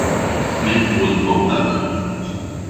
名媛模特兒